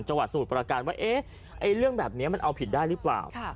สมุทรประการว่าเอ๊ะเรื่องแบบนี้มันเอาผิดได้หรือเปล่า